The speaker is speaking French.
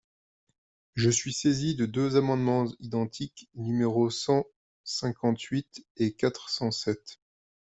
Je suis saisi de deux amendements identiques, numéros cent cinquante-huit et quatre cent sept.